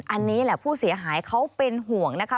อันนี้แหละผู้เสียหายเขาเป็นห่วงนะคะ